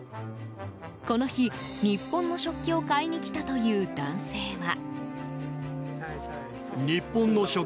この日、日本の食器を買いにきたという男性は。